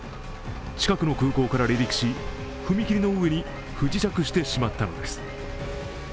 近くの空港から離陸し踏切の上に不時着してしまったのです。